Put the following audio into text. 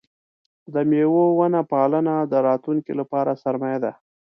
د مېوو ونه پالنه د راتلونکي لپاره سرمایه ده.